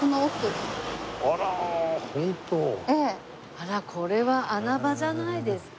あらこれは穴場じゃないですか？